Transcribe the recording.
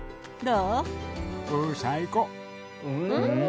うん。